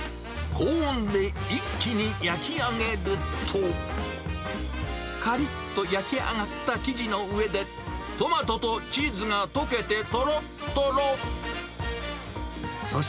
高温で一気に焼き上げると、かりっと焼き上がった生地の上で、トマトとチーズがとけてとろっとろ。